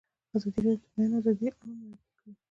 ازادي راډیو د د بیان آزادي اړوند مرکې کړي.